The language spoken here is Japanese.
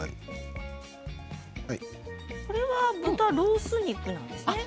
これは豚ロース肉ですか？